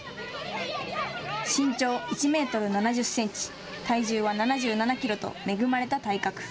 身長１メートル７０センチ体重は７７キロと恵まれた体格。